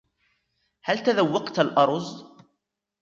هل تذوقتَ الأرز؟